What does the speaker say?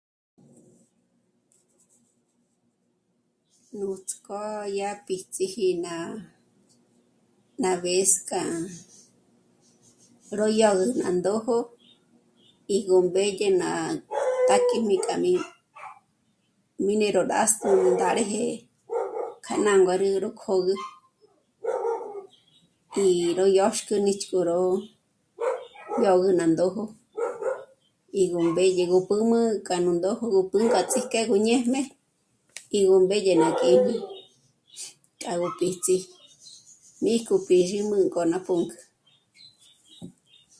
Nuts'k'ó yá píts'iji ná... ná vez kjâ'a ró yá gú ná ndójo í go mbédye ná t'ákíjmi k'a mí... mí né'e ró d'ásü ndáreje k'a ná nguárü ró kjögü i ró yóxkü ních'k'o ró dyògü ná ndójo í gú mbédye gú p'úmü k'a nú ndójo ná pǔnk'ü ts'ik'e gú ñéjme í gú mbédye ná kíjmi k'a gó píts'i ní k'u pízhi mǘ'ü k'o ná pǔnk'ü